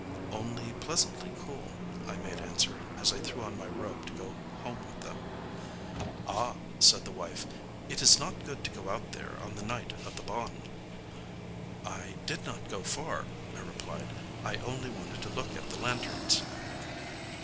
"Only pleasantly cool," I made answer, as I threw on my robe to go home with them. "Ah," said the wife, "it is not good to go out there on the night of the Bon!" "I did not go far," I replied;—"I only wanted to look at the lanterns."